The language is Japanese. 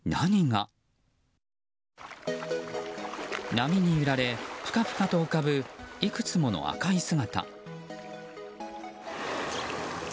波に揺られ、ぷかぷかと浮かぶいくつもの赤い姿。